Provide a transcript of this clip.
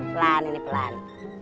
pelan ini pelan